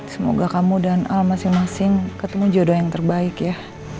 semoga kamu dan al masing masing ketemu jodoh yang terbaik ya